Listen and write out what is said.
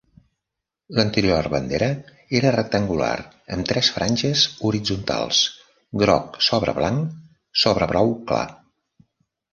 L'anterior bandera era rectangular amb tres franges horitzontals: groc sobre blanc sobre blau clar.